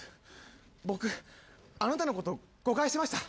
僕あなたのこと誤解してました。